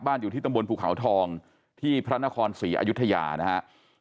อยู่ที่ตำบลภูเขาทองที่พระนครศรีอยุธยานะครับ